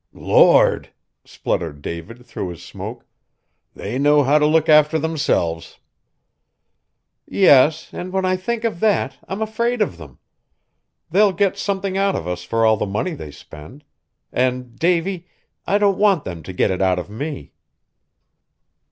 "Lord!" spluttered David through his smoke; "they know how t' look after themselves." "Yes, and when I think of that, I'm afraid of them. They'll get something out of us for all the money they spend. And, Davy, I don't want them to get it out of me!"